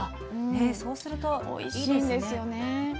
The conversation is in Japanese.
そうするとおいしいですよね。